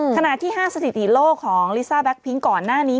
ขณะที่๕สถิติโลกของลิซ่าแก๊กพิ้งก่อนหน้านี้